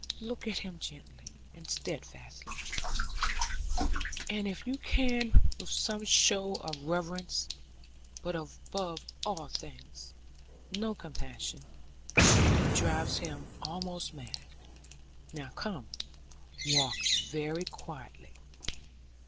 Look at him gently and steadfastly, and, if you can, with some show of reverence; but above all things, no compassion; it drives him almost mad. Now come; walk very quietly.'